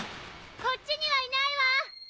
こっちには居ないわ！！